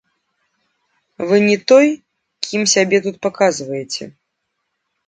Вы не той, кім сябе тут паказваеце.